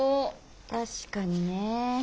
確かにねえ。